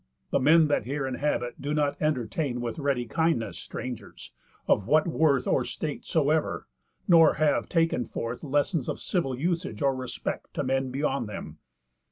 The men That here inhabit do not entertain With ready kindness strangers, of what worth Or state soever, nor have taken forth Lessons of civil usage or respect To men beyond them.